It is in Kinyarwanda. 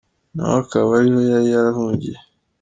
Na we akaba ariho yari yarahungiye.